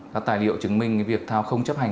các tài liệu chứng minh cái việc thao không chấp hành